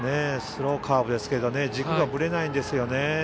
スローカーブですけど軸がぶれないんですよね。